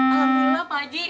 selamat malam pak haji